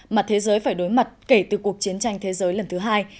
mà thế giới phải đối mặt kể từ cuộc chiến tranh thế giới lần thứ hai